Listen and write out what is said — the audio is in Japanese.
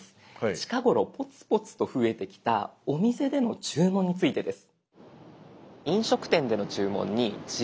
近頃ポツポツと増えてきたお店での注文についてです。